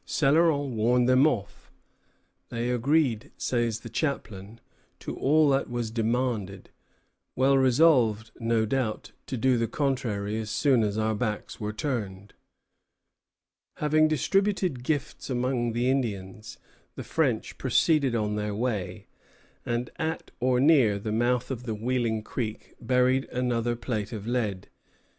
Céloron warned them off. "They agreed," says the chaplain, "to all that was demanded, well resolved, no doubt, to do the contrary as soon as our backs were turned." Having distributed gifts among the Indians, the French proceeded on their way, and at or near the mouth of Wheeling Creek buried another plate of lead.